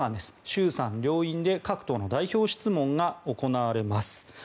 衆参両院で各党の代表質問が行われます。